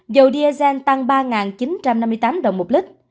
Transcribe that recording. dầu diesel tăng ba chín trăm năm mươi tám đồng một lít